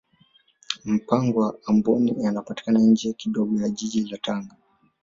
mapango ya amboni yanapatikana nje kidogo ya jiji la tanga